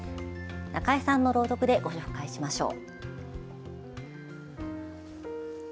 中江さんの朗読でご紹介しましょう。